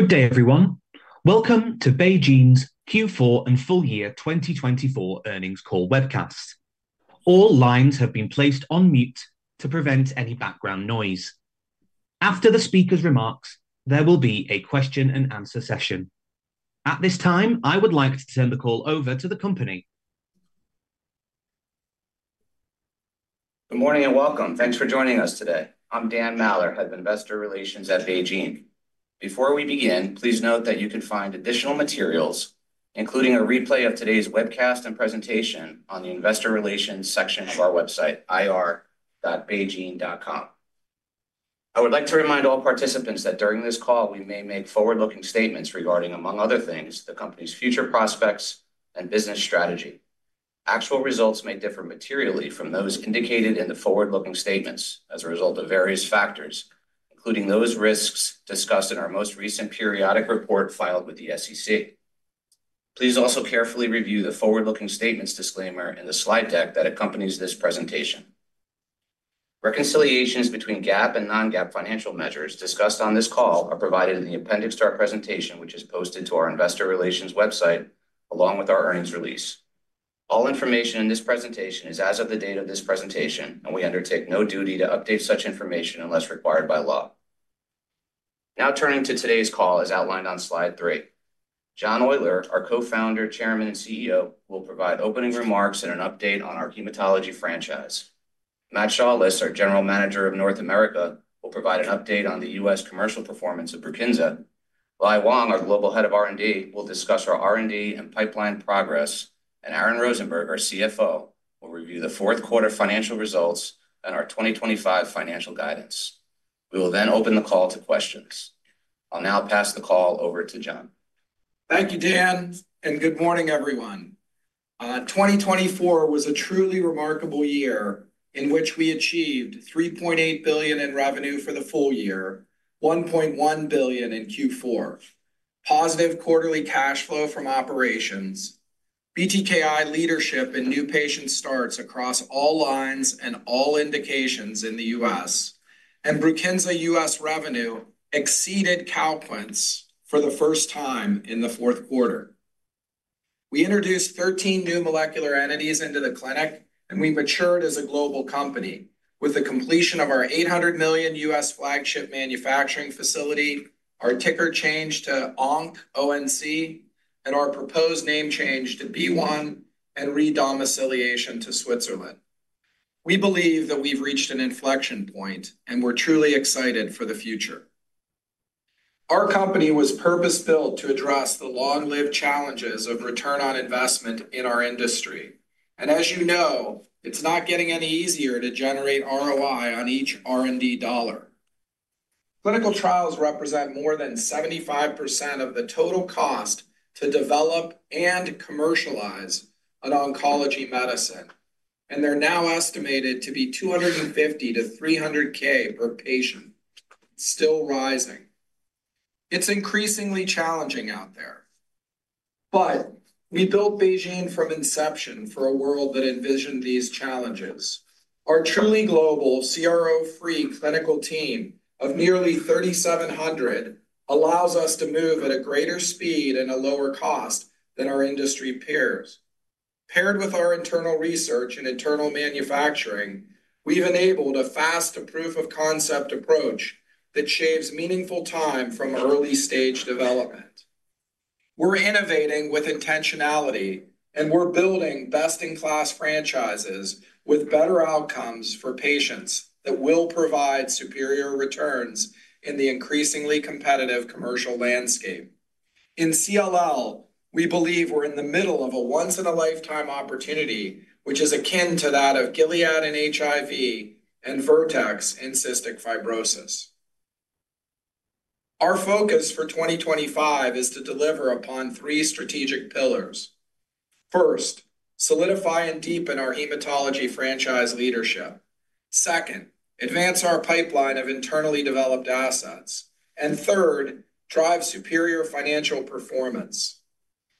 Good day, everyone. Welcome to BeiGene's Q4 and full year 2024 earnings call webcast. All lines have been placed on mute to prevent any background noise. After the speakers' remarks, there will be a question and answer session. At this time, I would like to turn the call over to the company. Good morning and welcome. Thanks for joining us today. I'm Dan Maller, Head of Investor Relations at BeiGene. Before we begin, please note that you can find additional materials, including a replay of today's webcast and presentation, on the Investor Relations section of our website, ir.beigene.com. I would like to remind all participants that during this call, we may make forward-looking statements regarding, among other things, the company's future prospects and business strategy. Actual results may differ materially from those indicated in the forward-looking statements as a result of various factors, including those risks discussed in our most recent periodic report filed with the SEC. Please also carefully review the forward-looking statements disclaimer in the slide deck that accompanies this presentation. Reconciliations between GAAP and non-GAAP financial measures discussed on this call are provided in the appendix to our presentation, which is posted to our Investor Relations website along with our earnings release. All information in this presentation is as of the date of this presentation, and we undertake no duty to update such information unless required by law. Now turning to today's call, as outlined on slide three, John Oyler, our Co-founder, Chairman, and CEO, will provide opening remarks and an update on our hematology franchise. Matt Shaulis, our General Manager of North America, will provide an update on the U.S. commercial performance of Brukinza. Lai Wang, our Global Head of R&D, will discuss our R&D and pipeline progress, and Aaron Rosenberg, our CFO, will review the fourth quarter financial results and our 2025 financial guidance. We will then open the call to questions. I'll now pass the call over to John. Thank you, Dan, and good morning, everyone. 2024 was a truly remarkable year in which we achieved $3.8 billion in revenue for the full year, $1.1 billion in Q4, positive quarterly cash flow from operations, BTKI leadership in new patient starts across all lines and all indications in the U.S., and Brukinza U.S. revenue exceeded Calquence for the first time in the fourth quarter. We introduced 13 new molecular entities into the clinic, and we matured as a global company with the completion of our $800 million U.S. flagship manufacturing facility, our ticker change to ONC, and our proposed name change to BeOne and re-domiciliation to Switzerland. We believe that we've reached an inflection point, and we're truly excited for the future. Our company was purpose-built to address the long-lived challenges of return on investment in our industry. As you know, it's not getting any easier to generate ROI on each R&D dollar. Clinical trials represent more than 75% of the total cost to develop and commercialize an oncology medicine, and they're now estimated to be $250,000-$300,000 per patient, still rising. It's increasingly challenging out there, but we built BeiGene from inception for a world that envisioned these challenges. Our truly global, CRO-free clinical team of nearly 3,700 allows us to move at a greater speed and a lower cost than our industry peers. Paired with our internal research and internal manufacturing, we've enabled a fast-to-proof-of-concept approach that shaves meaningful time from early-stage development. We're innovating with intentionality, and we're building best-in-class franchises with better outcomes for patients that will provide superior returns in the increasingly competitive commercial landscape. In CLL, we believe we're in the middle of a once-in-a-lifetime opportunity, which is akin to that of Gilead in HIV and Vertex in cystic fibrosis. Our focus for 2025 is to deliver upon three strategic pillars. First, solidify and deepen our hematology franchise leadership. Second, advance our pipeline of internally developed assets. Third, drive superior financial performance.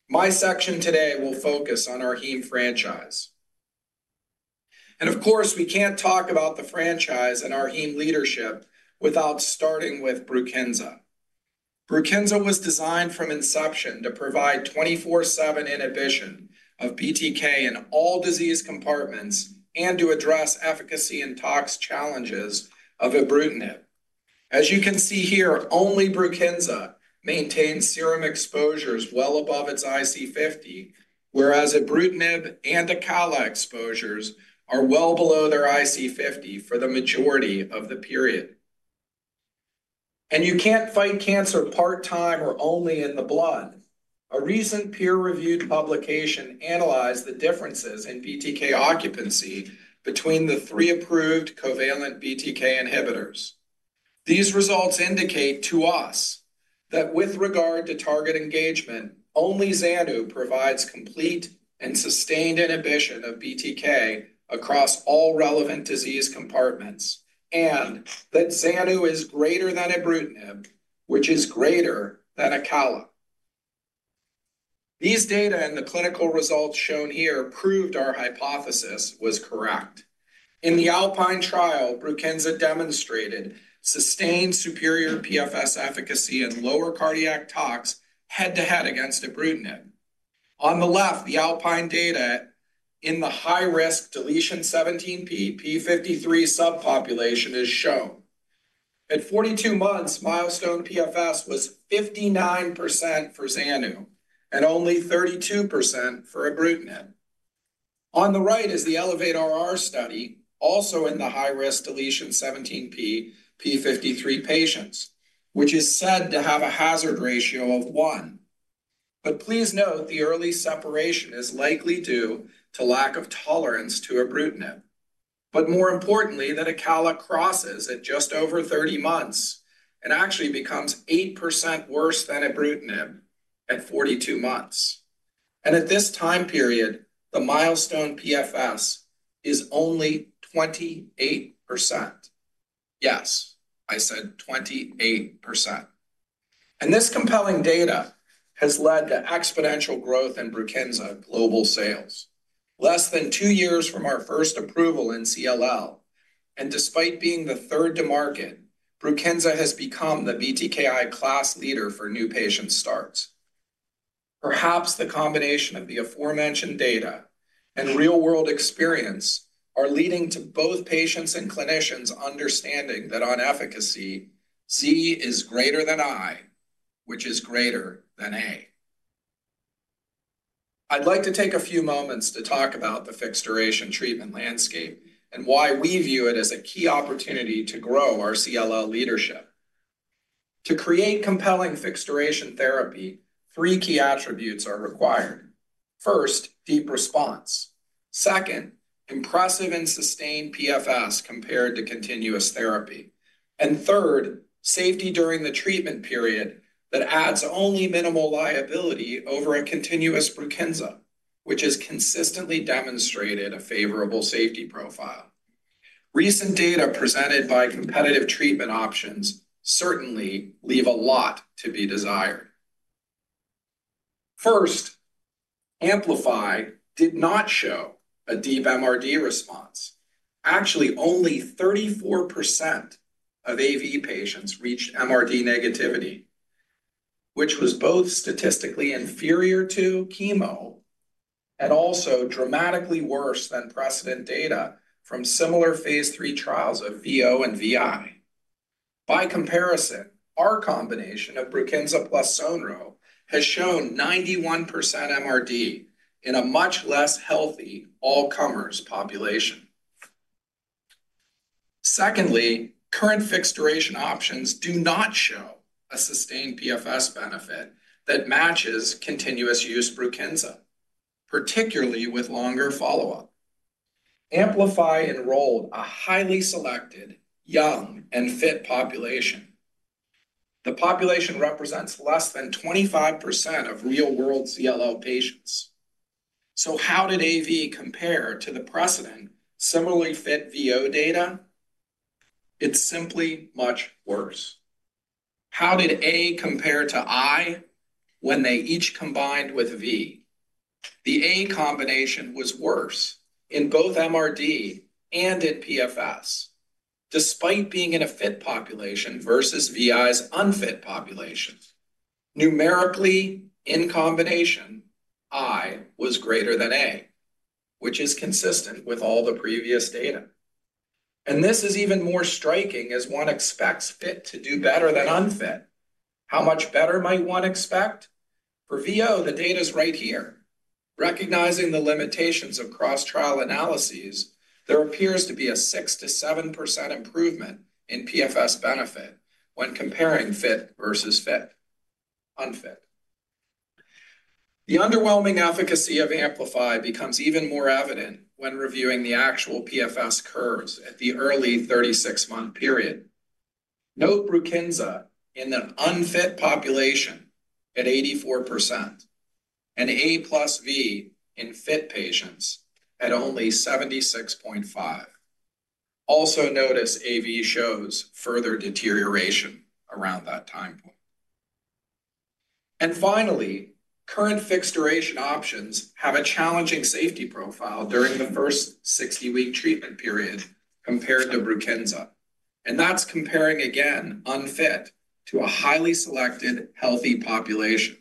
My section today will focus on our heme franchise. Of course, we can't talk about the franchise and our heme leadership without starting with Brukinza. Brukinza was designed from inception to provide 24/7 inhibition of BTK in all disease compartments and to address efficacy and tox challenges of ibrutinib. As you can see here, only Brukinza maintains serum exposures well above its IC50, whereas ibrutinib and Acala exposures are well below their IC50 for the majority of the period. You can't fight cancer part-time or only in the blood. A recent peer-reviewed publication analyzed the differences in BTK occupancy between the three approved covalent BTK inhibitors. These results indicate to us that with regard to target engagement, only Zanu provides complete and sustained inhibition of BTK across all relevant disease compartments, and that Zanu is greater than ibrutinib, which is greater than Acala. These data and the clinical results shown here proved our hypothesis was correct. In the ALPINE trial, BRUKINZA demonstrated sustained superior PFS efficacy and lower cardiac tox head-to-head against ibrutinib. On the left, the ALPINE data in the high-risk deletion 17p, p53 subpopulation is shown. At 42 months, milestone PFS was 59% for Zanu and only 32% for ibrutinib. On the right is the ELEVATE-RR study, also in the high-risk deletion 17p, p53 patients, which is said to have a hazard ratio of one. But please note the early separation is likely due to lack of tolerance to ibrutinib. But more importantly, that Acala crosses at just over 30 months and actually becomes 8% worse than ibrutinib at 42 months. And at this time period, the milestone PFS is only 28%. Yes, I said 28%. And this compelling data has led to exponential growth in Brukinza global sales, less than two years from our first approval in CLL. And despite being the third to market, Brukinza has become the BTKI class leader for new patient starts. Perhaps the combination of the aforementioned data and real-world experience are leading to both patients and clinicians understanding that on efficacy, Z is greater than I, which is greater than A. I'd like to take a few moments to talk about the fixed-duration treatment landscape and why we view it as a key opportunity to grow our CLL leadership. To create compelling fixed-duration therapy, three key attributes are required. First, deep response. Second, impressive and sustained PFS compared to continuous therapy. And third, safety during the treatment period that adds only minimal liability over a continuous Brukinza, which has consistently demonstrated a favorable safety profile. Recent data presented by competitive treatment options certainly leave a lot to be desired. First, AMPLIFY did not show a deep MRD response. Actually, only 34% of AV patients reached MRD negativity, which was both statistically inferior to chemo and also dramatically worse than precedent data from similar phase three trials of VO and VI. By comparison, our combination of Brukinza plus Sonro has shown 91% MRD in a much less healthy all-comers population. Secondly, current fixed-duration options do not show a sustained PFS benefit that matches continuous use Brukinza, particularly with longer follow-up. AMPLIFY enrolled a highly selected, young, and fit population. The population represents less than 25% of real-world CLL patients. So how did AV compare to the precedent similarly fit VO data? It's simply much worse. How did A compare to I when they each combined with V? The A combination was worse in both MRD and in PFS, despite being in a fit population versus VI's unfit population. Numerically, in combination, I was greater than A, which is consistent with all the previous data. And this is even more striking as one expects fit to do better than unfit. How much better might one expect? For VO, the data is right here. Recognizing the limitations of cross-trial analyses, there appears to be a 6% to 7% improvement in PFS benefit when comparing fit versus unfit. The underwhelming efficacy of Amplify becomes even more evident when reviewing the actual PFS curves at the early 36-month period. Note Brukinza in the unfit population at 84% and A plus V in fit patients at only 76.5%. Also notice AV shows further deterioration around that time point. And finally, current fixed-duration options have a challenging safety profile during the first 60-week treatment period compared to Brukinza. And that's comparing again unfit to a highly selected healthy population.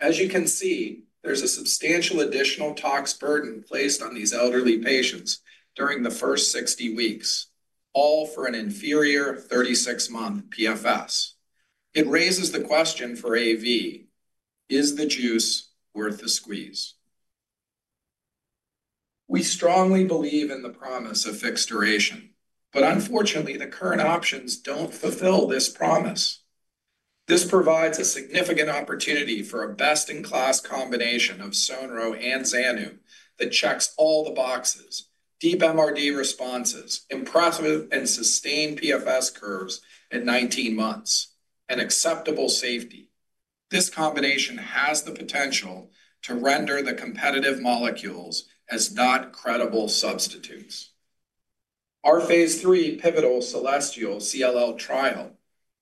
As you can see, there's a substantial additional tox burden placed on these elderly patients during the first 60 weeks, all for an inferior 36-month PFS. It raises the question for AV: is the juice worth the squeeze? We strongly believe in the promise of fixed duration, but unfortunately, the current options don't fulfill this promise. This provides a significant opportunity for a best-in-class combination of Sonro and Xdu that checks all the boxes: deep MRD responses, impressive and sustained PFS curves at 19 months, and acceptable safety. This combination has the potential to render the competitive molecules as not credible substitutes. Our phase 3 pivotal CELESTIAL CLL trial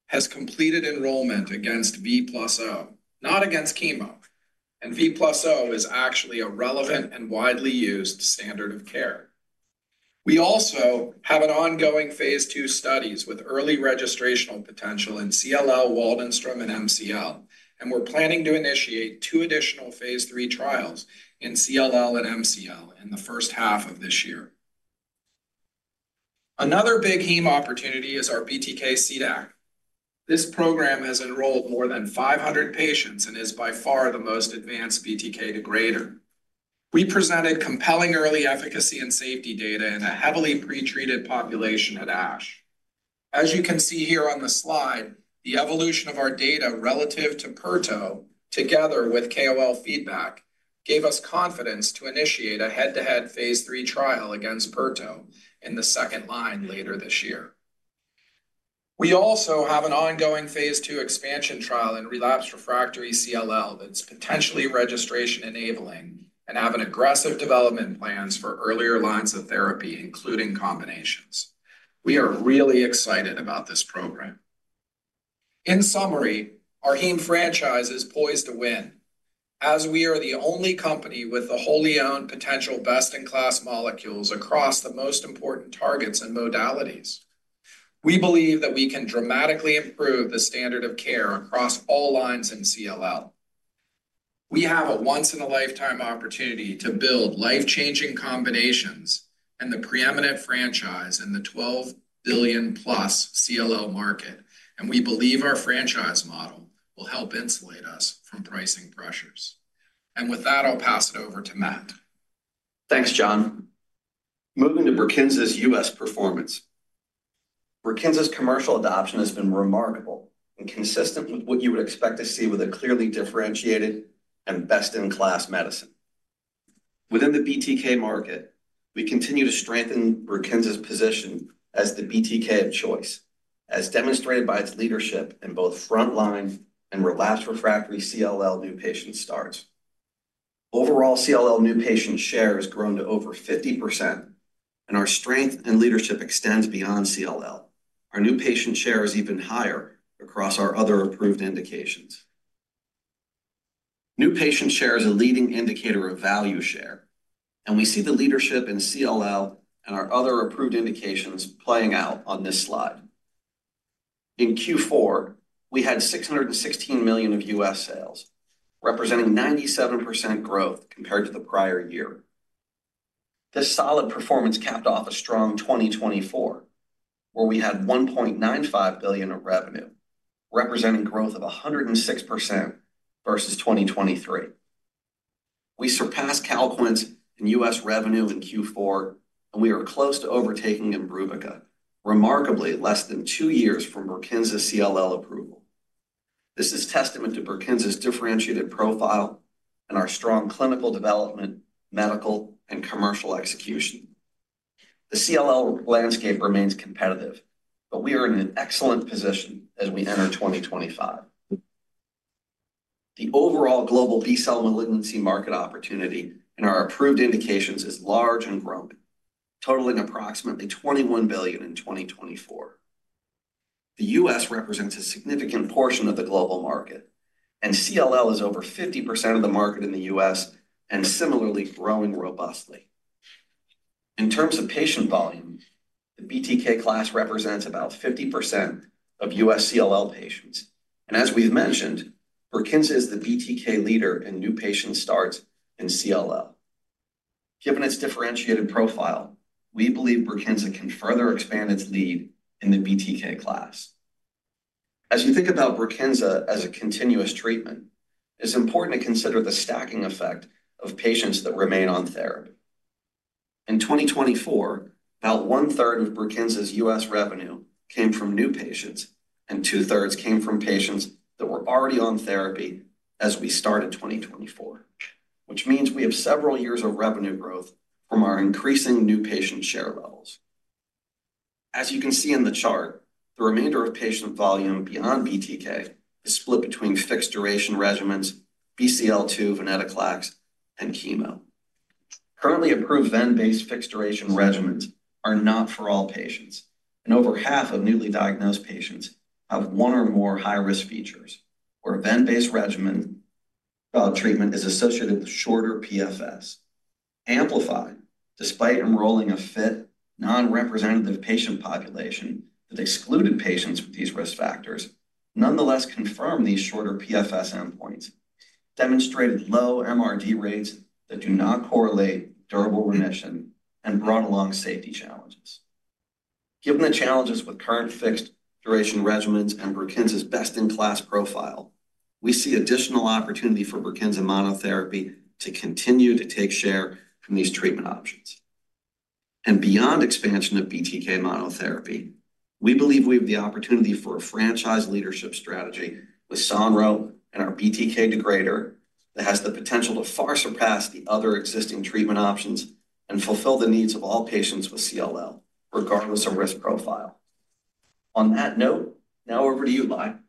has completed enrollment against V plus O, not against chemo, and V plus O is actually a relevant and widely used standard of care. We also have ongoing phase 2 studies with early registrational potential in CLL, Waldenstrom, and MCL, and we're planning to initiate two additional phase 3 trials in CLL and MCL in the first half of this year. Another big heme opportunity is our BTK CDAC. This program has enrolled more than 500 patients and is by far the most advanced BTK degrader. We presented compelling early efficacy and safety data in a heavily pretreated population at ASH. As you can see here on the slide, the evolution of our data relative to Pirto, together with KOL feedback, gave us confidence to initiate a head-to-head phase three trial against Pirto in the second line later this year. We also have an ongoing phase two expansion trial in relapsed refractory CLL that's potentially registration-enabling and have aggressive development plans for earlier lines of therapy, including combinations. We are really excited about this program. In summary, our heme franchise is poised to win. As we are the only company with the wholly owned potential best-in-class molecules across the most important targets and modalities, we believe that we can dramatically improve the standard of care across all lines in CLL. We have a once-in-a-lifetime opportunity to build life-changing combinations and the preeminent franchise in the $12 billion-plus CLL market, and we believe our franchise model will help insulate us from pricing pressures. And with that, I'll pass it over to Matt. Thanks, John. Moving to Brukinza's U.S. performance. Brukinza's commercial adoption has been remarkable and consistent with what you would expect to see with a clearly differentiated and best-in-class medicine. Within the BTK market, we continue to strengthen Brukinza's position as the BTK of choice, as demonstrated by its leadership in both frontline and relapsed refractory CLL new patient starts. Overall, CLL new patient share has grown to over 50%, and our strength and leadership extends beyond CLL. Our new patient share is even higher across our other approved indications. New patient share is a leading indicator of value share, and we see the leadership in CLL and our other approved indications playing out on this slide. In Q4, we had $616 million of U.S. sales, representing 97% growth compared to the prior year. This solid performance capped off a strong 2024, where we had $1.95 billion of revenue, representing growth of 106% versus 2023. We surpassed Calquence's U.S. revenue in Q4, and we are close to overtaking Imbruvica, remarkably less than two years from Brukinza's CLL approval. This is testament to Brukinza's differentiated profile and our strong clinical development, medical, and commercial execution. The CLL landscape remains competitive, but we are in an excellent position as we enter 2025. The overall global B-cell malignancy market opportunity in our approved indications is large and growing, totaling approximately $21 billion in 2024. The U.S. represents a significant portion of the global market, and CLL is over 50% of the market in the U.S. and similarly growing robustly. In terms of patient volume, the BTK class represents about 50% of U.S. CLL patients. And as we've mentioned, Brukinza is the BTK leader in new patient starts in CLL. Given its differentiated profile, we believe Brukinza can further expand its lead in the BTK class. As you think about Brukinza as a continuous treatment, it's important to consider the stacking effect of patients that remain on therapy. In 2024, about one-third of Brukinza's U.S. Revenue came from new patients, and two-thirds came from patients that were already on therapy as we started 2024, which means we have several years of revenue growth from our increasing new patient share levels. As you can see in the chart, the remainder of patient volume beyond BTK is split between fixed-duration regimens, BCL-2 venetoclax, and chemo. Currently approved ven-based fixed-duration regimens are not for all patients, and over half of newly diagnosed patients have one or more high-risk features, where ven-based regimen treatment is associated with shorter PFS. Amplify, despite enrolling a fit, non-representative patient population that excluded patients with these risk factors, nonetheless confirmed these shorter PFS endpoints, demonstrated low MRD rates that do not correlate with durable remission, and brought along safety challenges. Given the challenges with current fixed-duration regimens and Brukinza's best-in-class profile, we see additional opportunity for Brukinza monotherapy to continue to take share from these treatment options. And beyond expansion of BTK monotherapy, we believe we have the opportunity for a franchise leadership strategy with Sonro and our BTK degrader that has the potential to far surpass the other existing treatment options and fulfill the needs of all patients with CLL, regardless of risk profile. On that note, now over to you, Matt.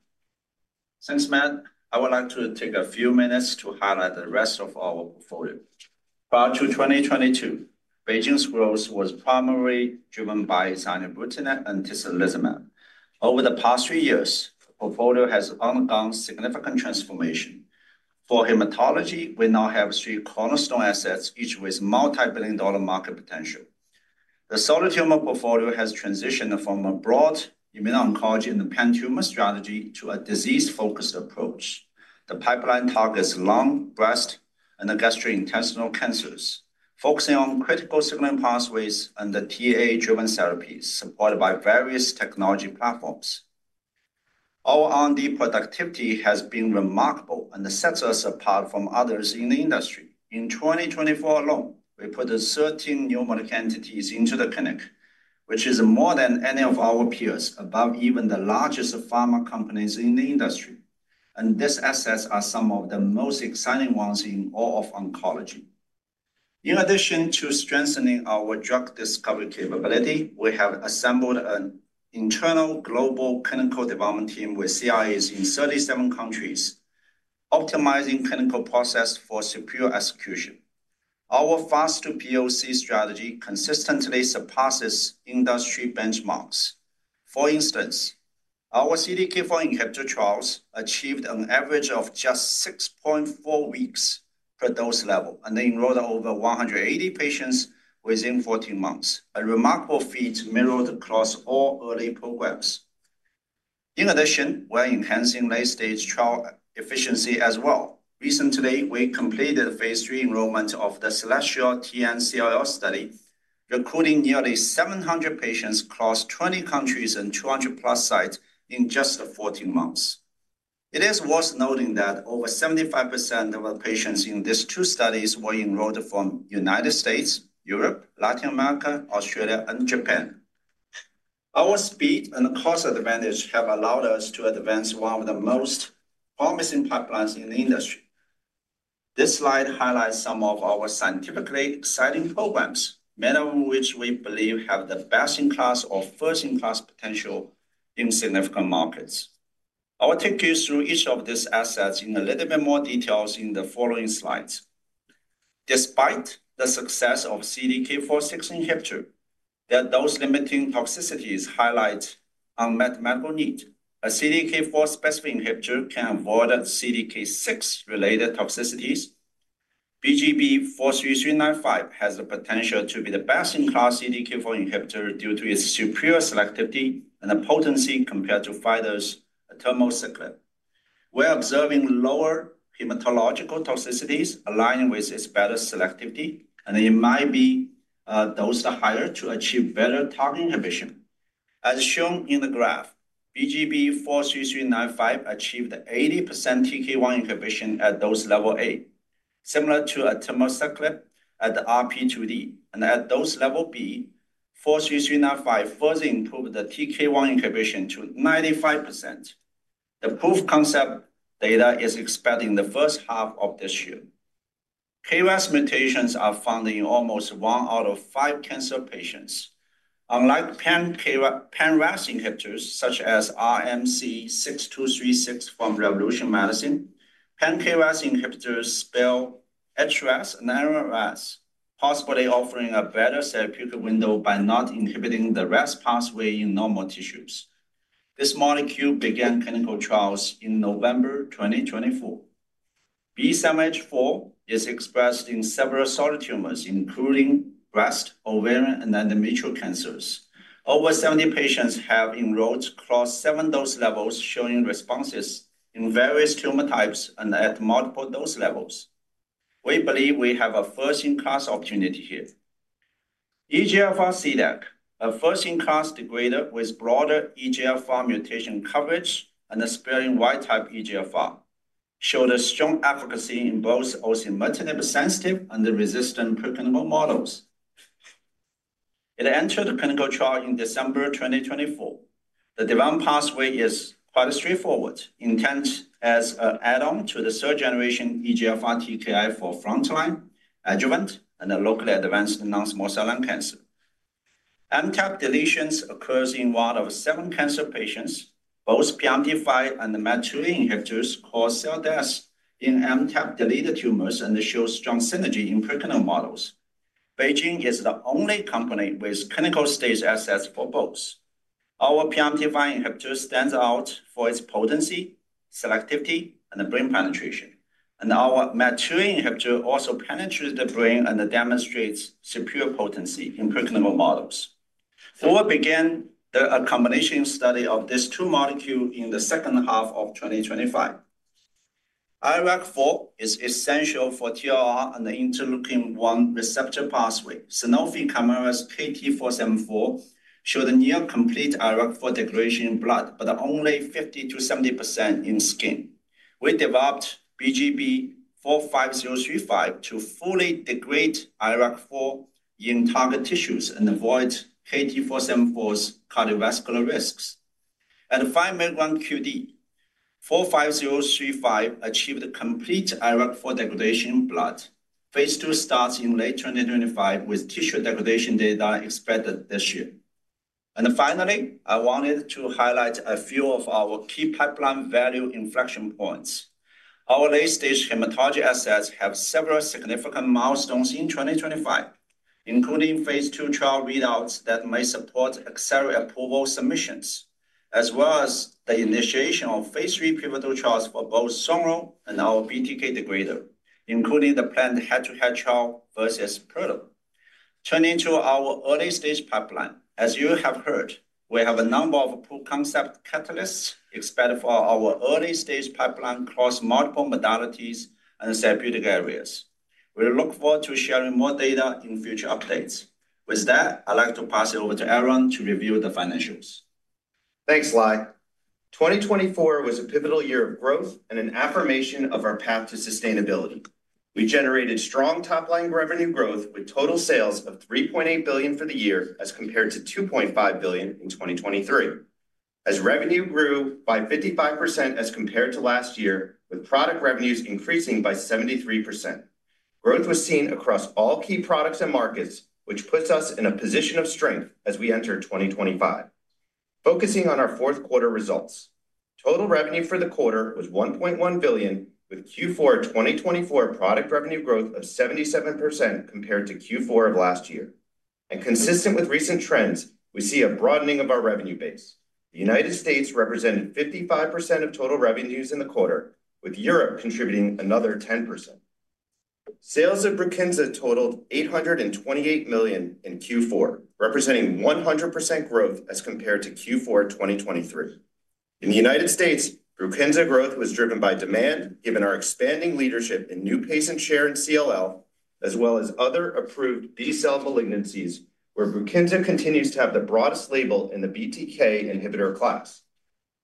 Thanks, Matt. I would like to take a few minutes to highlight the rest of our portfolio. Prior to 2022, BeiGene's growth was primarily driven by zanubrutinib and tislelizumab. Over the past three years, the portfolio has undergone significant transformation. For hematology, we now have three cornerstone assets, each with multi-billion-dollar market potential. The solid tumor portfolio has transitioned from a broad immuno-oncology and the pan-tumor strategy to a disease-focused approach. The pipeline targets lung, breast, and gastrointestinal cancers, focusing on critical signaling pathways and the TAA-driven therapies supported by various technology platforms. Our R&D productivity has been remarkable and sets us apart from others in the industry. In 2024 alone, we put 13 new molecular entities into the clinic, which is more than any of our peers, above even the largest pharma companies in the industry, and these assets are some of the most exciting ones in all of oncology. In addition to strengthening our drug discovery capability, we have assembled an internal global clinical development team with CIAs in 37 countries, optimizing clinical process for superior execution. Our fast-to-POC strategy consistently surpasses industry benchmarks. For instance, our CDK4 inhibitor trials achieved an average of just 6.4 weeks per dose level, and they enrolled over 180 patients within 14 months, a remarkable feat mirrored across all early programs. In addition, we're enhancing late-stage trial efficiency as well. Recently, we completed phase 3 enrollment of the CELESTIAL TN-CLL study, recruiting nearly 700 patients across 20 countries and 200-plus sites in just 14 months. It is worth noting that over 75% of the patients in these two studies were enrolled from the United States, Europe, Latin America, Australia, and Japan. Our speed and cost advantage have allowed us to advance one of the most promising pipelines in the industry. This slide highlights some of our scientifically exciting programs, many of which we believe have the best-in-class or first-in-class potential in significant markets. I will take you through each of these assets in a little bit more detail in the following slides. Despite the success of CDK4/6 inhibitors, their dose-limiting toxicities highlight unmet medical needs. A CDK4-specific inhibitor can avoid CDK6-related toxicities. BGB-43395 has the potential to be the best-in-class CDK4 inhibitor due to its superior selectivity and potency compared to Pfizer's palbociclib. We're observing lower hematological toxicities aligning with its better selectivity, and it might be dosed higher to achieve better target inhibition. As shown in the graph, BGB-43395 achieved 80% TK1 inhibition at dose level A, similar to a palbociclib at the RP2D, and at dose level B, 43395 further improved the TK1 inhibition to 95%. The proof-of-concept data is expected in the first half of this year. KRAS mutations are found in almost one out of five cancer patients. Unlike pan-RAS inhibitors such as RMC-6236 from Revolution Medicines, pan-KRAS inhibitors spare HRAS and NRAS, possibly offering a better therapeutic window by not inhibiting the RAS pathway in normal tissues. This molecule began clinical trials in November 2024. B7-H4 is expressed in several solid tumors, including breast, ovarian, and endometrial cancers. Over 70 patients have enrolled across seven dose levels, showing responses in various tumor types and at multiple dose levels. We believe we have a first-in-class opportunity here. EGFR CDAC, a first-in-class degrader with broader EGFR mutation coverage and a sparing wild-type EGFR, showed a strong efficacy in both osimertinib-sensitive and resistant preclinical models. It entered the clinical trial in December 2024. The development pathway is quite straightforward, intended as an add-on to the third-generation EGFR TKI for frontline, adjuvant, and locally advanced non-small cell lung cancer. MTAP deletions occur in one of seven cancer patients. Both PRMT5 and MAT2A inhibitors cause cell death in MTAP-deleted tumors and show strong synergy in pre-clinical models. BeOne Medicines is the only company with clinical stage assets for both. Our PRMT5 inhibitor stands out for its potency, selectivity, and brain penetration. Our MAT2A inhibitor also penetrates the brain and demonstrates superior potency in pre-clinical models. We will begin the combination study of these two molecules in the second half of 2025. IRAK4 is essential for TLR and the interleukin-1 receptor pathway. Sanofi/Kymera's KT-474 showed a near-complete IRAK4 degradation in blood, but only 50%-70% in skin. We developed BGB-45035 to fully degrade IRAK4 in target tissues and avoid KT-474's cardiovascular risks. At 5 mg QD, BGB-45035 achieved complete IRAK4 degradation in blood. phase 2 starts in late 2025, with tissue degradation data expected this year. And finally, I wanted to highlight a few of our key pipeline value inflection points. Our late-stage hematology assets have several significant milestones in 2025, including phase 2 trial readouts that may support accelerated approval submissions, as well as the initiation of phase 3 pivotal trials for both Sonro and our BTK degrader, including the planned head-to-head trial versus Pirto. Turning to our early-stage pipeline, as you have heard, we have a number of proof concept catalysts expected for our early-stage pipeline across multiple modalities and therapeutic areas. We look forward to sharing more data in future updates. With that, I'd like to pass it over to Aaron to review the financials. Thanks, Lai. 2024 was a pivotal year of growth and an affirmation of our path to sustainability. We generated strong top-line revenue growth with total sales of $3.8 billion for the year as compared to $2.5 billion in 2023. As revenue grew by 55% as compared to last year, with product revenues increasing by 73%, growth was seen across all key products and markets, which puts us in a position of strength as we enter 2025. Focusing on our fourth quarter results, total revenue for the quarter was $1.1 billion, with Q4 2024 product revenue growth of 77% compared to Q4 of last year. Consistent with recent trends, we see a broadening of our revenue base. The United States represented 55% of total revenues in the quarter, with Europe contributing another 10%. Sales of Brukinza totaled $828 million in Q4, representing 100% growth as compared to Q4 2023. In the United States, Brukinza growth was driven by demand, given our expanding leadership in new patient share in CLL, as well as other approved B-cell malignancies, where Brukinza continues to have the broadest label in the BTK inhibitor class.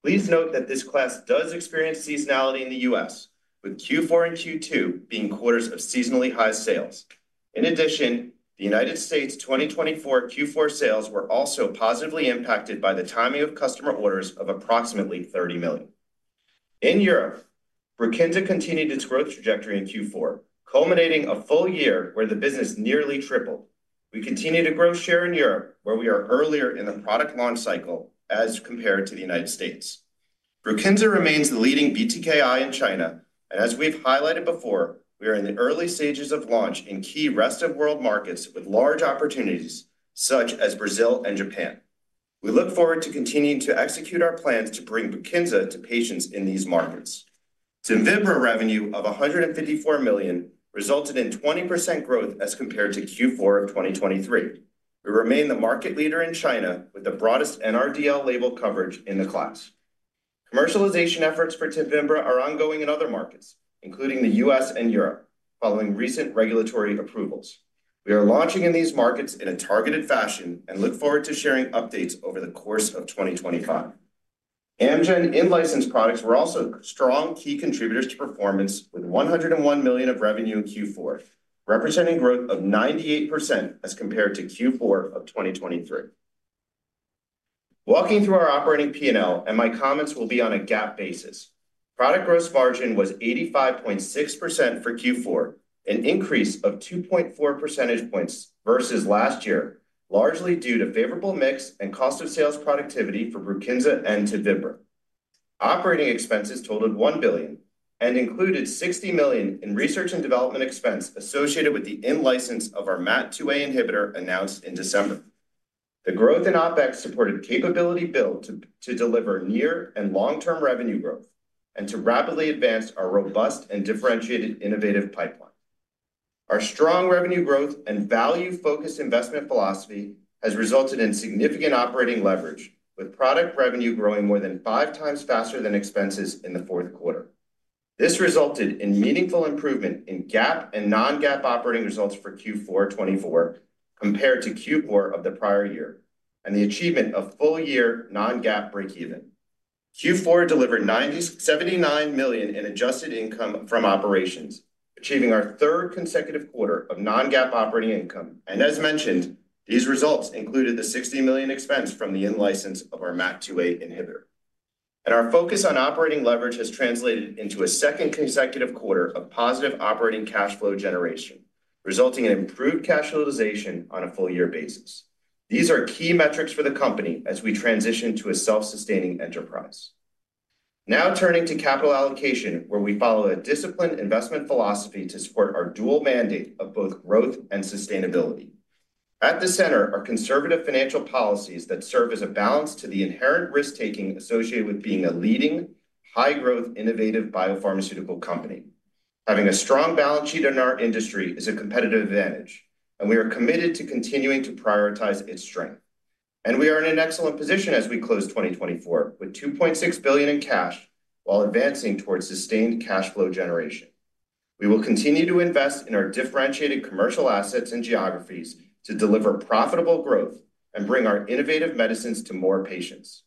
Please note that this class does experience seasonality in the U.S., with Q4 and Q2 being quarters of seasonally high sales. In addition, the United States' 2024 Q4 sales were also positively impacted by the timing of customer orders of approximately $30 million. In Europe, Brukinza continued its growth trajectory in Q4, culminating a full year where the business nearly tripled. We continue to grow share in Europe, where we are earlier in the product launch cycle as compared to the United States. Brukinza remains the leading BTKI in China, and as we've highlighted before, we are in the early stages of launch in key rest-of-world markets with large opportunities such as Brazil and Japan. We look forward to continuing to execute our plans to bring Brukinza to patients in these markets. Tevimbra revenue of $154 million resulted in 20% growth as compared to Q4 of 2023. We remain the market leader in China with the broadest NRDL label coverage in the class. Commercialization efforts for Tevimbra are ongoing in other markets, including the U.S. and Europe, following recent regulatory approvals. We are launching in these markets in a targeted fashion and look forward to sharing updates over the course of 2025. Amgen in-licensed products were also strong key contributors to performance, with $101 million of revenue in Q4, representing growth of 98% as compared to Q4 of 2023. Walking through our operating P&L, and my comments will be on a GAAP basis. Product gross margin was 85.6% for Q4, an increase of 2.4 percentage points versus last year, largely due to favorable mix and cost of sales productivity for Brukinza and Tevimbra. Operating expenses totaled $1 billion and included $60 million in research and development expense associated with the in-license of our MAT2A inhibitor announced in December. The growth in OpEx supported capability build to deliver near and long-term revenue growth and to rapidly advance our robust and differentiated innovative pipeline. Our strong revenue growth and value-focused investment philosophy has resulted in significant operating leverage, with product revenue growing more than five times faster than expenses in the fourth quarter. This resulted in meaningful improvement in GAAP and non-GAAP operating results for Q4 2024 compared to Q4 of the prior year, and the achievement of full-year non-GAAP breakeven. Q4 delivered $79 million in adjusted income from operations, achieving our third consecutive quarter of non-GAAP operating income. As mentioned, these results included the $60 million expense from the in-license of our MAT2A inhibitor. Our focus on operating leverage has translated into a second consecutive quarter of positive operating cash flow generation, resulting in improved cash utilization on a full-year basis. These are key metrics for the company as we transition to a self-sustaining enterprise. Now turning to capital allocation, where we follow a disciplined investment philosophy to support our dual mandate of both growth and sustainability. At the center are conservative financial policies that serve as a balance to the inherent risk-taking associated with being a leading, high-growth, innovative biopharmaceutical company. Having a strong balance sheet in our industry is a competitive advantage, and we are committed to continuing to prioritize its strength. We are in an excellent position as we close 2024 with $2.6 billion in cash while advancing towards sustained cash flow generation. We will continue to invest in our differentiated commercial assets and geographies to deliver profitable growth and bring our innovative medicines to more patients.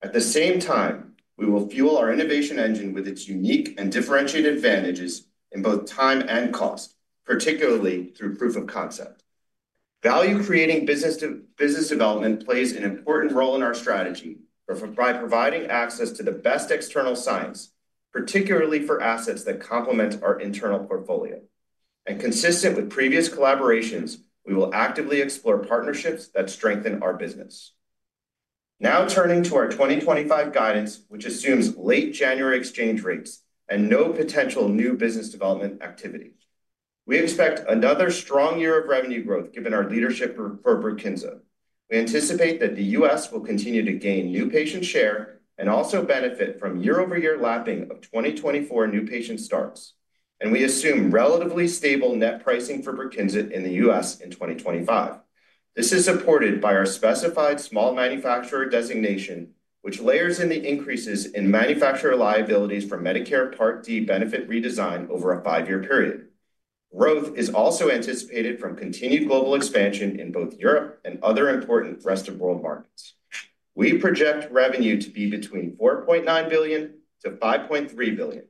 At the same time, we will fuel our innovation engine with its unique and differentiated advantages in both time and cost, particularly through proof of concept. Value-creating business development plays an important role in our strategy by providing access to the best external science, particularly for assets that complement our internal portfolio. Consistent with previous collaborations, we will actively explore partnerships that strengthen our business. Now turning to our 2025 guidance, which assumes late January exchange rates and no potential new business development activity. We expect another strong year of revenue growth given our leadership for Brukinza. We anticipate that the U.S. Will continue to gain new patient share and also benefit from year-over-year lapping of 2024 new patient starts. We assume relatively stable net pricing for BRUKINZA in the U.S. in 2025. This is supported by our special small manufacturer designation, which layers in the increases in manufacturer liabilities for Medicare Part D benefit redesign over a five-year period. Growth is also anticipated from continued global expansion in both Europe and other important rest-of-world markets. We project revenue to be between $4.9 billion and $5.3 billion.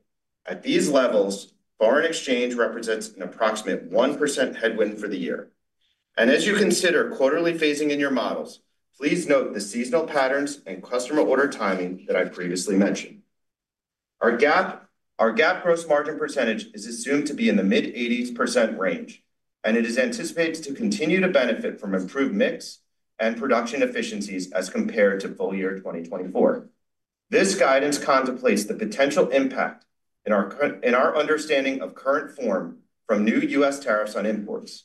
At these levels, foreign exchange represents an approximate 1% headwind for the year. As you consider quarterly phasing in your models, please note the seasonal patterns and customer order timing that I previously mentioned. Our GAAP gross margin percentage is assumed to be in the mid-80% range, and it is anticipated to continue to benefit from improved mix and production efficiencies as compared to full year 2024. This guidance contemplates the potential impact in our understanding of current form from new U.S. tariffs on imports.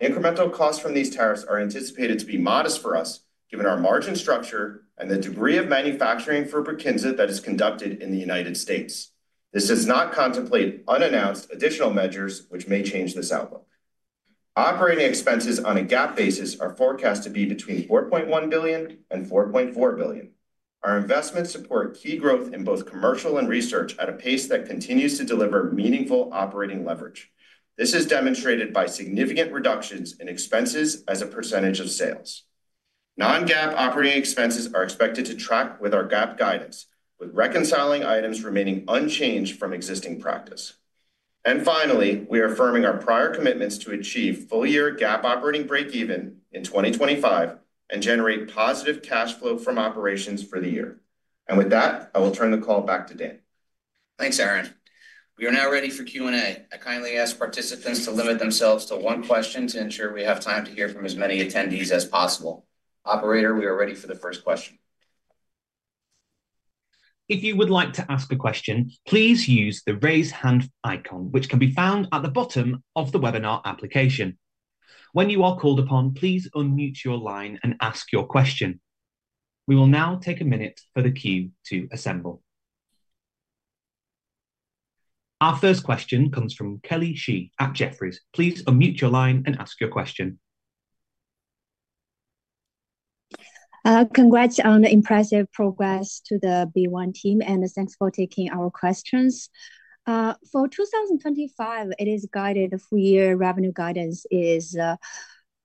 Incremental costs from these tariffs are anticipated to be modest for us, given our margin structure and the degree of manufacturing for BRUKINZA that is conducted in the United States. This does not contemplate unannounced additional measures, which may change this outlook. Operating expenses on a GAAP basis are forecast to be between $4.1 billion and $4.4 billion. Our investments support key growth in both commercial and research at a pace that continues to deliver meaningful operating leverage. This is demonstrated by significant reductions in expenses as a percentage of sales. Non-GAAP operating expenses are expected to track with our GAAP guidance, with reconciling items remaining unchanged from existing practice. And finally, we are affirming our prior commitments to achieve full-year GAAP operating breakeven in 2025 and generate positive cash flow from operations for the year. And with that, I will turn the call back to Dan. Thanks, Aaron. We are now ready for Q&A. I kindly ask participants to limit themselves to one question to ensure we have time to hear from as many attendees as possible. Operator, we are ready for the first question. If you would like to ask a question, please use the raise hand icon, which can be found at the bottom of the webinar application. When you are called upon, please unmute your line and ask your question. We will now take a minute for the queue to assemble. Our first question comes from Kelly Shi at Jefferies. Please unmute your line and ask your question. Congrats on the impressive progress to the BeOne team, and thanks for taking our questions. For 2025, the guided full-year revenue guidance is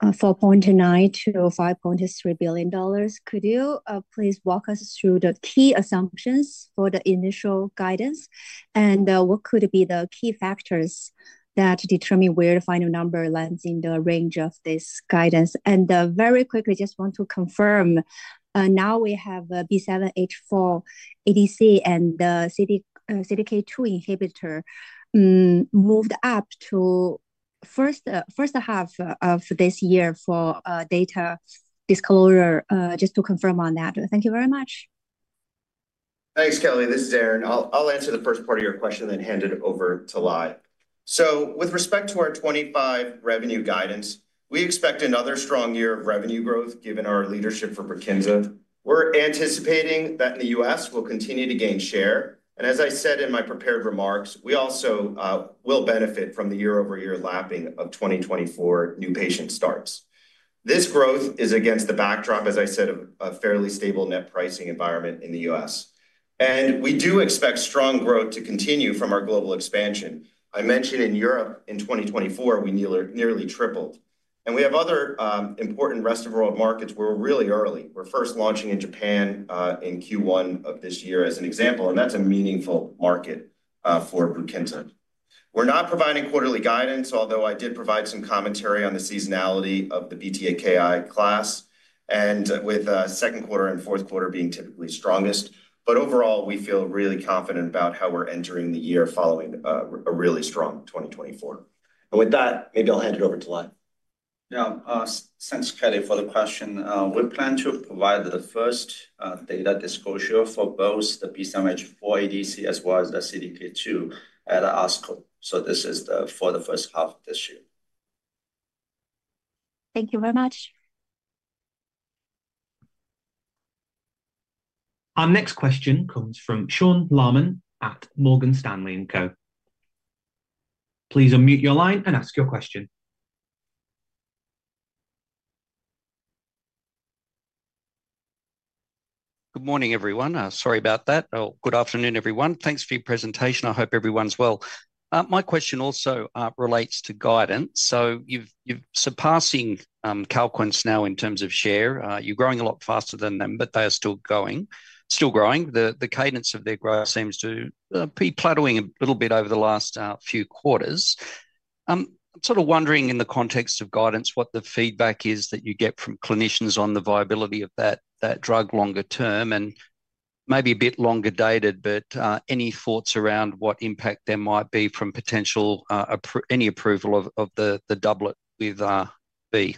$4.9 billion-$5.3 billion. Could you please walk us through the key assumptions for the initial guidance, and what could be the key factors that determine where the final number lands in the range of this guidance? And very quickly, I just want to confirm, now we have B7-H4 ADC and the CDK2 inhibitor moved up to first half of this year for data disclosure, just to confirm on that. Thank you very much. Thanks, Kelly. This is Aaron. I'll answer the first part of your question and then hand it over to Lai. With respect to our 2025 revenue guidance, we expect another strong year of revenue growth given our leadership for BRUKINZA. We're anticipating that in the U.S., we'll continue to gain share. And as I said in my prepared remarks, we also will benefit from the year-over-year lapping of 2024 new patient starts. This growth is against the backdrop, as I said, of a fairly stable net pricing environment in the U.S. And we do expect strong growth to continue from our global expansion. I mentioned in Europe, in 2024, we nearly tripled. And we have other important rest-of-world markets where we're really early. We're first launching in Japan in Q1 of this year, as an example, and that's a meaningful market for BRUKINZA. We're not providing quarterly guidance, although I did provide some commentary on the seasonality of the BTKI class, and with second quarter and fourth quarter being typically strongest. But overall, we feel really confident about how we're entering the year following a really strong 2024. And with that, maybe I'll hand it over to Lai. Yeah, thanks, Kelly, for the question. We plan to provide the first data disclosure for both the B7-H4 ADC as well as the CDK4 at ASCO. So this is for the first half of this year. Thank you very much. Our next question comes from Sean Laaman at Morgan Stanley & Co. Please unmute your line and ask your question. Good morning, everyone. Sorry about that. Good afternoon, everyone. Thanks for your presentation. I hope everyone's well. My question also relates to guidance. So you're surpassing Calquence now in terms of share. You're growing a lot faster than them, but they are still going, still growing. The cadence of their growth seems to be plateauing a little bit over the last few quarters. I'm sort of wondering in the context of guidance what the feedback is that you get from clinicians on the viability of that drug longer term, and maybe a bit longer dated, but any thoughts around what impact there might be from potential any approval of the doublet with B?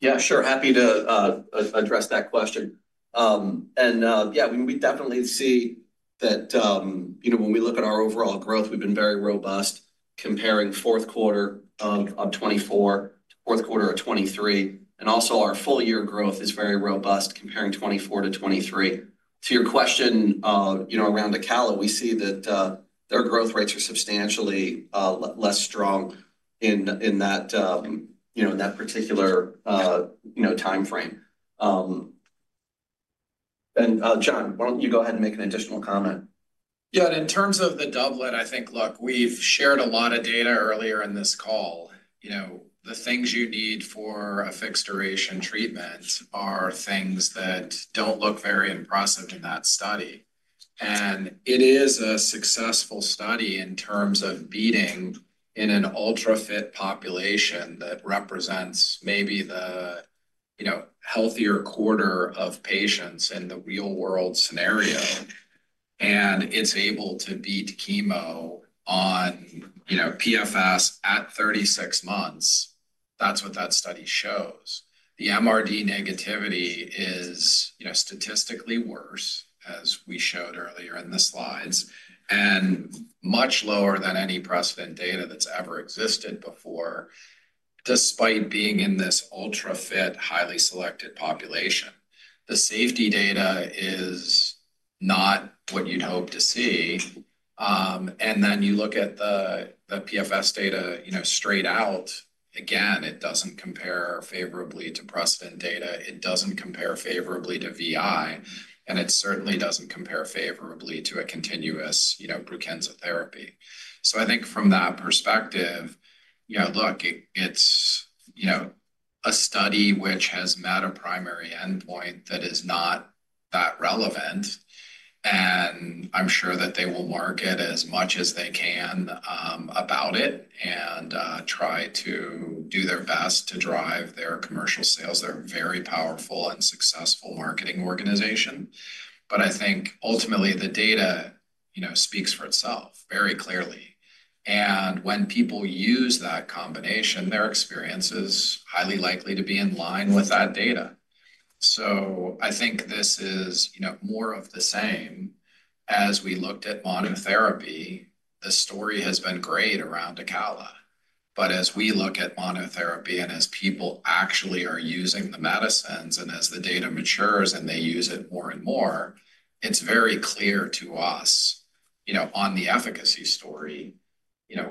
Yeah, sure. Happy to address that question. And yeah, we definitely see that when we look at our overall growth, we've been very robust comparing fourth quarter of 2024 to fourth quarter of 2023. And also our full-year growth is very robust comparing 2024 to 2023. To your question around the Calquence, we see that their growth rates are substantially less strong in that particular timeframe. John, why don't you go ahead and make an additional comment? Yeah, in terms of the doublet, I think, look, we've shared a lot of data earlier in this call. The things you need for a fixed duration treatment are things that don't look very impressive in that study. It is a successful study in terms of beating in an ultra-fit population that represents maybe the healthier quarter of patients in the real-world scenario. It's able to beat chemo on PFS at 36 months. That's what that study shows. The MRD negativity is statistically worse, as we showed earlier in the slides, and much lower than any precedent data that's ever existed before, despite being in this ultra-fit, highly selected population. The safety data is not what you'd hope to see. And then you look at the PFS data straight out. Again, it doesn't compare favorably to precedent data. It doesn't compare favorably to I/V, and it certainly doesn't compare favorably to a continuous BRUKINZA therapy. So I think from that perspective, look, it's a study which has met a primary endpoint that is not that relevant. And I'm sure that they will market as much as they can about it and try to do their best to drive their commercial sales. They're a very powerful and successful marketing organization. But I think ultimately the data speaks for itself very clearly. And when people use that combination, their experience is highly likely to be in line with that data. So I think this is more of the same. As we looked at monotherapy, the story has been great around the Calquence. But as we look at monotherapy and as people actually are using the medicines and as the data matures and they use it more and more, it's very clear to us on the efficacy story.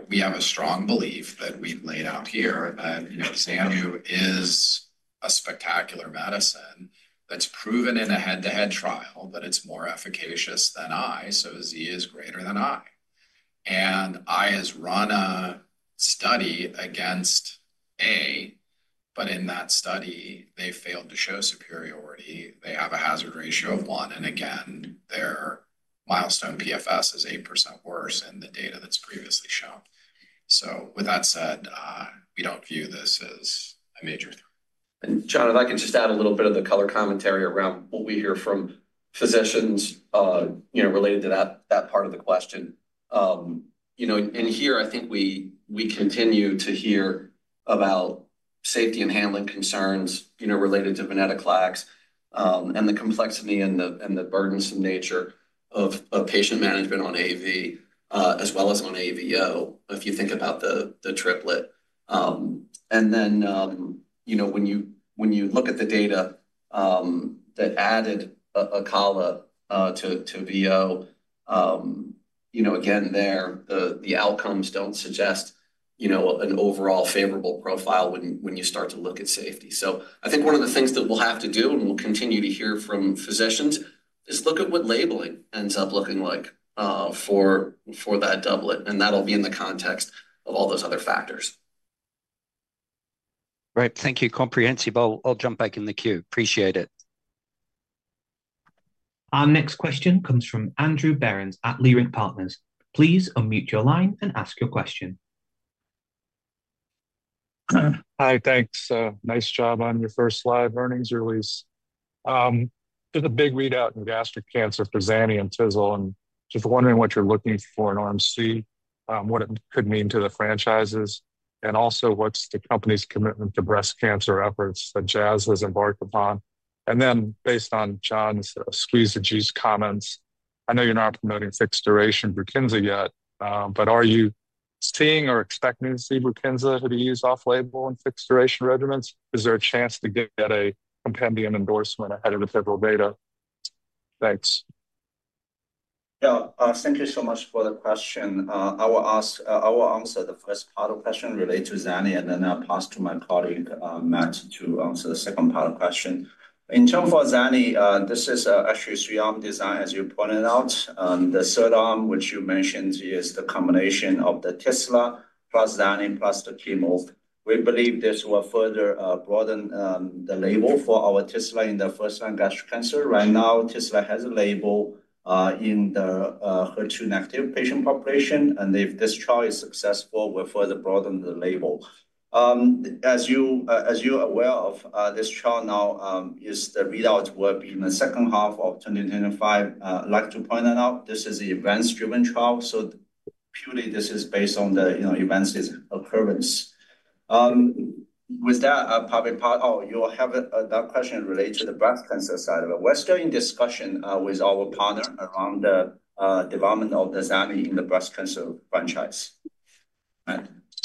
We have a strong belief that we've laid out here that Zanu is a spectacular medicine that's proven in a head-to-head trial, but it's more efficacious than I, so Z is greater than I. And I has run a study against A, but in that study, they failed to show superiority. They have a hazard ratio of one. And again, their milestone PFS is 8% worse than the data that's previously shown. So with that said, we don't view this as a major threat. And John, if I can just add a little bit of the color commentary around what we hear from physicians related to that part of the question. In there, I think we continue to hear about safety and handling concerns related to venetoclax and the complexity and the burdensome nature of patient management on AV, as well as on AVO, if you think about the triplet. And then when you look at the data that added acalabrutinib to VO, again, there, the outcomes don't suggest an overall favorable profile when you start to look at safety. So I think one of the things that we'll have to do and we'll continue to hear from physicians is look at what labeling ends up looking like for that doublet. And that'll be in the context of all those other factors. Right. Thank you. Comprehensive. I'll jump back in the queue. Appreciate it. Our next question comes from Andrew Berens at Leerink Partners. Please unmute your line and ask your question. Hi, thanks. Nice job on your first live earnings release. There's a big readout in gastric cancer, Zani, and Tizzle, and just wondering what you're looking for in RMC, what it could mean to the franchises, and also what's the company's commitment to breast cancer efforts that Jazz has embarked upon. And then based on John's squeeze-to-juice comments, I know you're not promoting fixed duration Brukinza yet, but are you seeing or expecting to see Brukinza to be used off-label in fixed duration regimens? Is there a chance to get a compendium endorsement ahead of the pivotal data? Thanks. Yeah, thank you so much for the question. I will answer the first part of the question related to Zani, and then I'll pass to my colleague, Matt, to answer the second part of the question. In terms of Zani, this is actually a three-arm design, as you pointed out. The third arm, which you mentioned, is the combination of the Tisle plus Zani plus the chemo. We believe this will further broaden the label for our Tisle in the first-line gastric cancer. Right now, Tisle has a label in the HER2 negative patient population. And if this trial is successful, we'll further broaden the label. As you're aware of, this trial now, the readouts will be in the second half of 2025. I'd like to point that out. This is an events-driven trial. So purely, this is based on the events' occurrence. With that, I'll probably. Oh, you have that question related to the breast cancer side. But we're still in discussion with our partner around the development of the Zani in the breast cancer franchise.